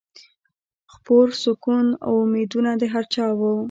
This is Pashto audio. خپور سکون و امیدونه د هر چا وه